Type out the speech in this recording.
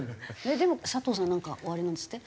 でも佐藤さんなんかおありなんですって？